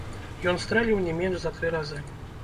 Ён стрэліў не менш за тры разы.